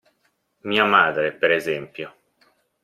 Mia madre, per esempio.